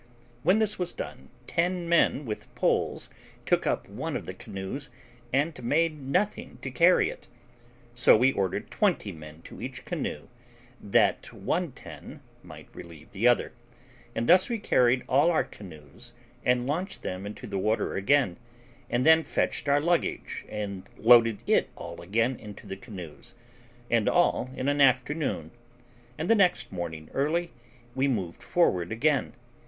When this was done, ten men with poles took up one of the canoes and made nothing to carry it. So we ordered twenty men to each canoe, that one ten might relieve the other; and thus we carried all our canoes, and launched them into the water again, and then fetched our luggage and loaded it all again into the canoes, and all in an afternoon; and the next morning early we moved forward again.